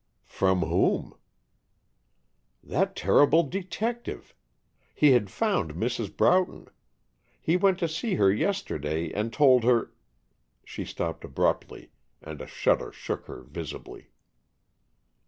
"From whom?" "That terrible detective. He had found Mrs. Broughton. He went to see her yesterday and told her " She stopped abruptly, and a shudder shook her visibly.